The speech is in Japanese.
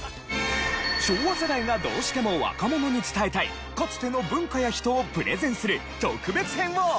昭和世代がどうしても若者に伝えたいかつての文化や人をプレゼンする特別編をお送りします。